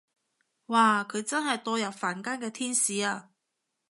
哇佢真係墮入凡間嘅天使啊